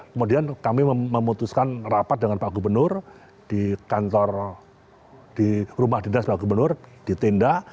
kemudian kami memutuskan rapat dengan pak gubernur di kantor di rumah dinas pak gubernur di tenda